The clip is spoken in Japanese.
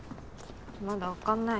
まだわかんない。